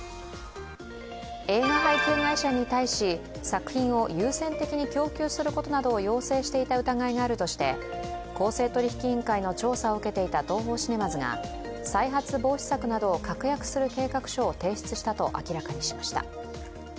映画配給会社に対し、作品を優先的に供給することなどを要請していた疑いがあるとして公正取引委員会の調査を受けていたＴＯＨＯシネマズが、再発防止策などを確約する計画書を提出したと明らかにしました。